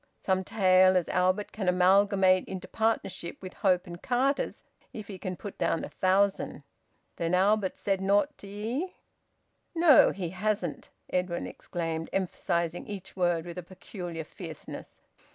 Some tale as Albert can amalgamate into partnership with Hope and Carters if he can put down a thousand. Then Albert's said naught to ye?" "No, he hasn't!" Edwin exclaimed, emphasising each word with a peculiar fierceness.